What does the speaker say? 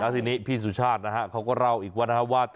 แล้วทีนี้พี่สุชาตินะฮะเขาก็เล่าอีกวันนะฮะว่า